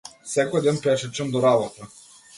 Секој ден пешачам до работа.